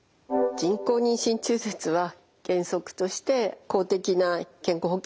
人工妊娠中絶は原則として公的な健康保険は適用されません。